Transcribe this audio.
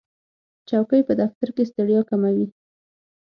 چوکۍ په دفتر کې ستړیا کموي.